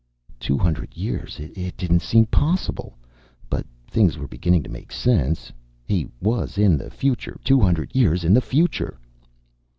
Two hundred years. It didn't seem possible. But things were beginning to make sense. He was in the future, two hundred years in the future.